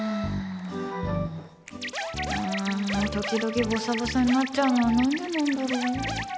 時々ぼさぼさになっちゃうのはなんでなんだろう。